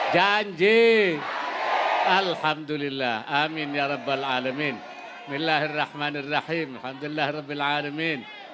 jadikanlah negara kami negara yang kau berkati